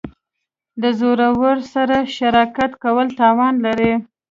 د زورورو سره شراکت کول تاوان لري.